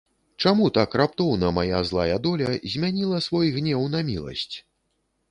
Чаму так раптоўна мая злая доля змяніла свой гнеў на міласць?